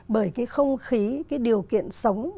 bởi cái không khí cái điều kiện sống